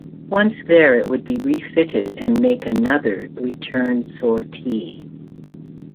Once there, it would be refitted and make another return sortie.